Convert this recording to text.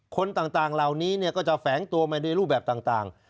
คนต่างเหล่านี้ก็จะแฝงตัวมาในรูปแบบต่าง